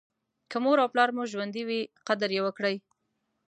که مور او پلار مو ژوندي وي قدر یې وکړئ.